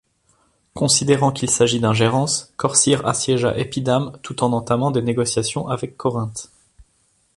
Considérant qu'il s'agit d'ingérence, Corcyre assiège Épidamne tout en entamant des négociations avec Corinthe.